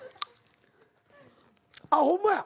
あっホンマや。